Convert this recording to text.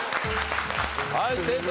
はい正解。